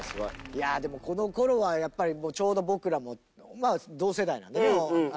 いやでもこの頃はやっぱりちょうど僕らも同世代なんでね荒木大輔投手は。